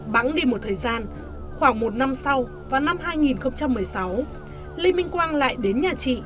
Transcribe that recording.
vắng đi một thời gian khoảng một năm sau vào năm hai nghìn một mươi sáu lê minh quang lại đến nhà chị